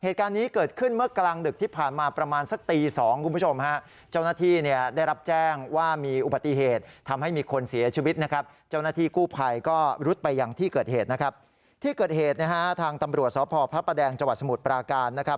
ที่เกิดเหตุทางตำรวจสพพระประแดงจสมุทรประการ